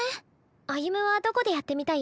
歩夢はどこでやってみたい？